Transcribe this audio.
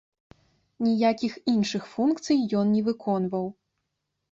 Ніякіх іншых функцый ён не выконваў.